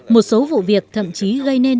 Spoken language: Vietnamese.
một số vụ việc thậm chí gây nên